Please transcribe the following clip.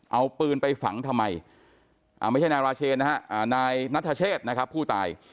เอาปืนไปฝังทำไมไม่ใช่นายราเชนนะฮะนายนัทเชษนะครับผู้ตาย